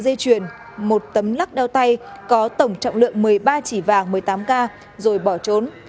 hai dây chuyền một tấm lắc đeo tay có tổng trọng lượng một mươi ba chỉ vàng một mươi tám k rồi bỏ trốn